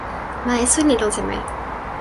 ma esun li lon seme?